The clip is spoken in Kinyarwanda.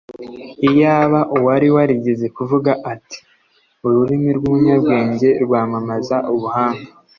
iyaba uwari warigeze kuvuga ati: “ururimi rw’umunyabwenge rwamamaza ubuhanga,”